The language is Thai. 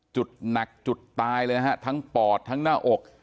หนักจุดตายเลยนะฮะทั้งปอดทั้งหน้าอก